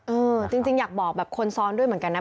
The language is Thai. เออจริงอยากบอกแบบคนซ้อนด้วยเหมือนกันนะ